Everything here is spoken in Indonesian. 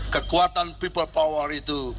kekuatan people power itu